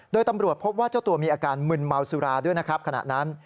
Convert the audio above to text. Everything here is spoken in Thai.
โดยตำรวจพบว่าเจ้าตัวมีอาการมึนเมาสุราด้วยนะครับขณะนั้น